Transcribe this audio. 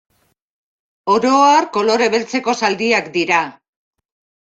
Oro har kolore beltzeko zaldiak dira.